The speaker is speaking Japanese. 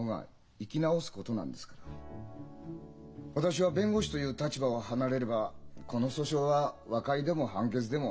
私は弁護士という立場を離れればこの訴訟は和解でも判決でも構わない。